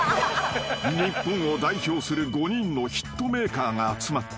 ［日本を代表する５人のヒットメーカーが集まった］